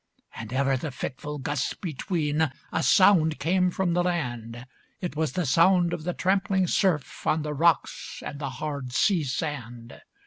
And ever the fitful gusts between, A sound came from the land; It was the sound of the trampling surf, On the rocks and the hard sea sand.